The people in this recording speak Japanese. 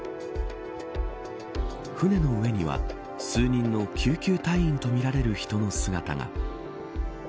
舟の上には数人の救急隊員とみられる人の姿が。